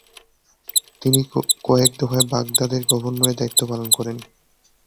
তিনি কয়েক দফায় বাগদাদের গভর্নরের দায়িত্ব পালন করেছেন।